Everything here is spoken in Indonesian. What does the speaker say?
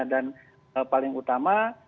dan paling utama